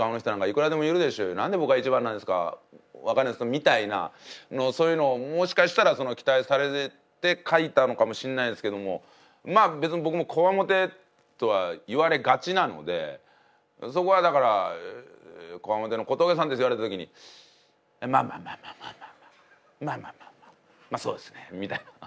何で僕が一番なんですか分かんないんですけど」みたいなそういうのをもしかしたら期待されて書いたのかもしんないですけどもまあ別に僕も強面とは言われがちなのでそこはだから「強面の小峠さんです」って言われた時に「まあまあまあまあ。まあまあまあまあまあそうですね」みたいな。